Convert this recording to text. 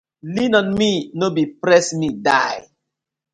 Lean on me, no be press me die: